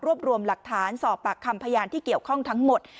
รวมรวมหลักฐานสอบปากคำพยานที่เกี่ยวข้องทั้งหมด